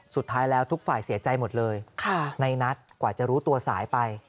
สุดท้ายแล้วทุกฝ่ายเสียใจหมดเลยในนัทกว่าจะรู้ตัวสายไป